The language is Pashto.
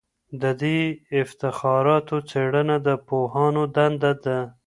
د دې افتخاراتو څېړنه د پوهانو دنده ده